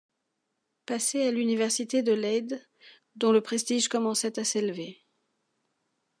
Passé à l’université de Leyde, dont le prestige commençait à s’élever.